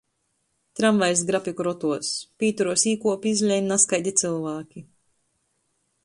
Tramvajs grab i krotuos, pīturuos īkuop i izlein nazkaidi cylvāki.